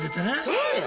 そうよ。